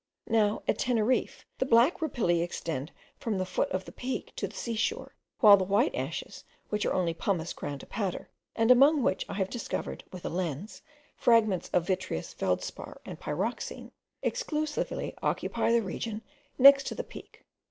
Now, at Teneriffe, the black rapilli extend from the foot of the Peak to the sea shore; while the white ashes, which are only pumice ground to powder, and among which I have discovered, with a lens, fragments of vitreous feldspar and pyroxene, exclusively occupy the region next to the Peak.